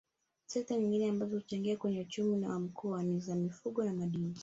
Sekta nyingine ambazo huchangia kwenye uchumi wa Mkoa ni za Mifugo na Madini